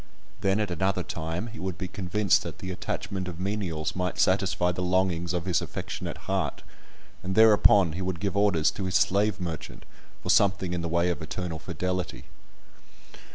Then at another time he would be convinced that the attachment of menials might satisfy the longings of his affectionate heart, and thereupon he would give orders to his slave merchant for something in the way of eternal fidelity.